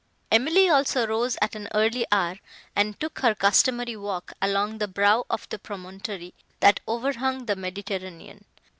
Emily also rose at an early hour, and took her customary walk along the brow of the promontory, that overhung the Mediterranean.